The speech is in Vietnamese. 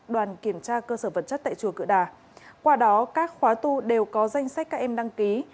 đoàn kiểm tra cơ sở vật chất tại chùa đà qua đó các khóa tu đều có danh sách các em đăng ký